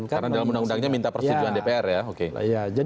karena dalam undang undangnya minta persetujuan dpr ya